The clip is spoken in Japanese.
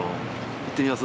「行ってみます？」